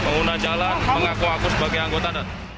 pengguna jalan mengaku aku sebagai anggota